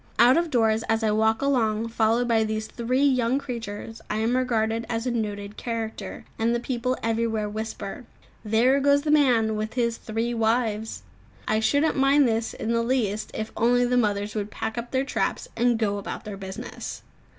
Out of doors, as I walk along followed by these three young creatures, I am regarded as a noted character, and the people everywhere whisper, "There goes the young man with his three wives!" I shouldn't mind this in the least if only the mothers would pack up their traps and go about their business.